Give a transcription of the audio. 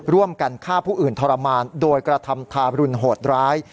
ร่วมกันฆ่าผู้อื่นทรมานโดยกระทำทาบรุณโหดร้าย